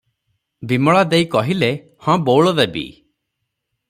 ବିମଳା ଦେଈ କହିଲେ, "ହଁ ବଉଳ ଦେବି ।"